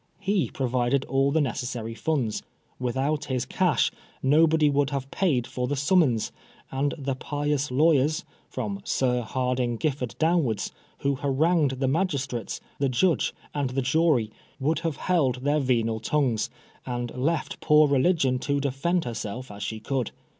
He provided all the necessary funds. Without his cash, nobody would have paid for the summons, and the pious lawyers, from Sir Hardinge Giffard downwards, who har angued the magistrates, the judge and the jury, would have held their venal tongues, and left poor Religion to defend herself as she coxdd.